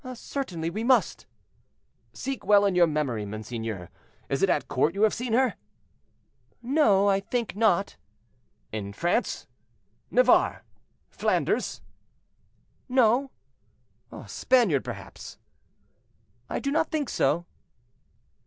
"Certainly we must." "Seek well in your memory, monseigneur; is it at court you have seen her?" "No, I think not." "In France, Navarre, Flanders?" "No." "A Spaniard perhaps." "I do not think so."